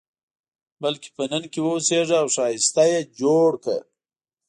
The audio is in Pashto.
بلکې په نن کې واوسېږه او ښایسته یې جوړ کړه.